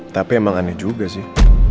tapi emang aneh juga sih